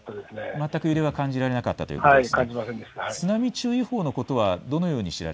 全く揺れは感じられなかったということですね。